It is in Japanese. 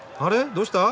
どうした？